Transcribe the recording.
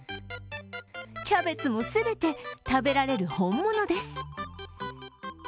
キャベツも全て食べられる本物です。